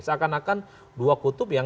dan sangat tidak mungkin